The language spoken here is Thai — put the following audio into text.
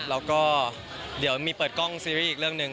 แล้วก็เดี๋ยวมีเปิดกล้องซีรีส์อีกเรื่องหนึ่ง